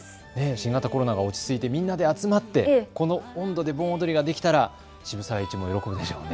新型コロナが落ち着いてみんなで集まってこの音頭で盆踊りができたら渋沢栄一も喜ぶでしょうね。